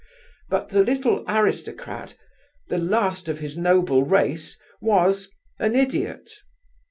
But the little aristocrat, the last of his noble race, was an idiot.